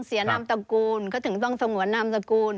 นามตระกูลเขาถึงต้องสงวนนามสกุล